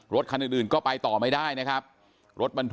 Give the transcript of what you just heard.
รถคันอื่นก็ไปต่อไม่ได้นะครับ